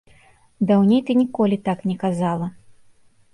Даўней ты ніколі так не казала.